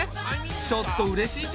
ちょっとうれしいけど。